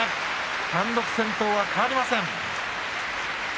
単独先頭は変わりません。